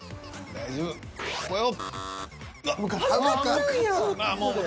大丈夫よ。